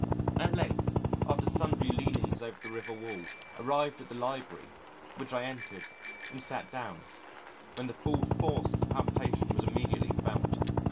At length, after sundry leanings over the river wall, arrived at the Library, which I entered, and sat down, when the full force of the palpitation was immediately felt.